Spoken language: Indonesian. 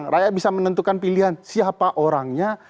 rakyat bisa menentukan pilihan siapa orangnya